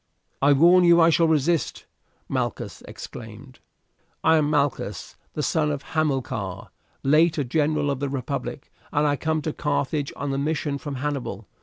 "I warn you I shall resist," Malchus exclaimed. "I am Malchus, the son of Hamilcar, late a general of the republic, and I come to Carthage on a mission from Hannibal.